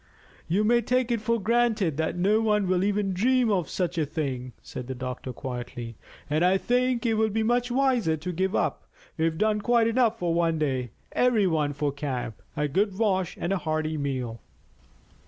"You may take it for granted that no one will even dream of such a thing," said the doctor quietly; "and I think it will be much wiser to give up. We've done quite enough for one day. Every one for camp, a good wash, and a hearty meal."